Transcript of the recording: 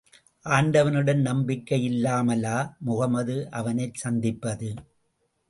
ஆண்டவனிடம் நம்பிக்கை இல்லாமலா, முஹம்மது அவனைச் சந்திப்பது?